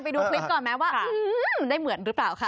ไปดูกลิ้นก่อนมั้ยได้เหมือนรึเปล่าคะ